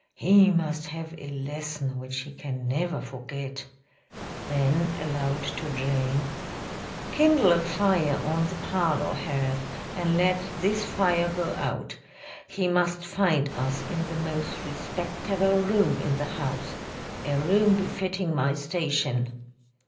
He must have a lesson which he can never forget." Then aloud, to Jane, "Kindle a fire on the parlor hearth and let this fire go out. He must find us in the most respecterble room in the house a room befitting my station."